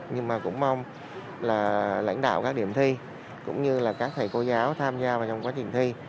nhưng mà cũng mong là lãnh đạo các điểm thi cũng như là các thầy cô giáo tham gia vào trong quá trình thi